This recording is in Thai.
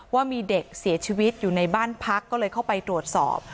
ว่ามีเด็กเสียชีวิตอยู่ในบ้านพักก็เลยเข้าไปตรวจสอบ